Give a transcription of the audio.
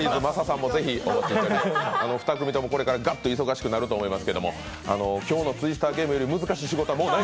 ２組ともこれからガッと忙しくなると思いますけど、今日の「ツイスターゲーム」より難しい仕事はもうない。